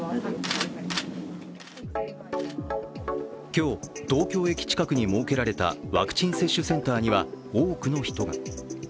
今日、東京駅近くに設けられたワクチン接種センターには多くの人が。